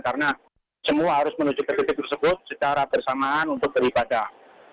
karena semua harus menuju ke titik tersebut secara bersamaan untuk beribadah